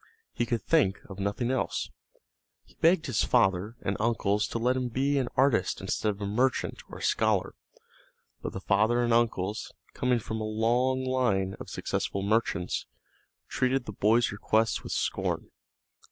He could think of nothing else; he begged his father and uncles to let him be an artist instead of a merchant or a scholar. But the father and uncles, coming from a long line of successful merchants, treated the boy's requests with scorn.